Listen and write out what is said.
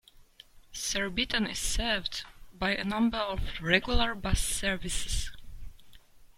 Surbiton is served by a number of regular bus services.